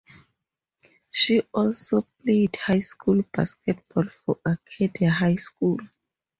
She also played high school basketball for Arcadia High School.